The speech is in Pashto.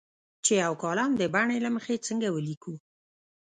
چې یو کالم د بڼې له مخې څنګه ولیکو.